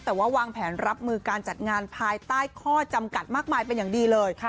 แต่ว่าวางแผนรับมือการจัดงานภายใต้ข้อจำกัดมากมายเป็นอย่างดีเลย